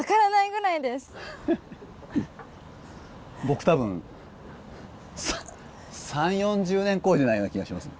僕多分３０４０年こいでないような気がします。